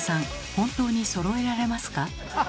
本当にそろえられますか？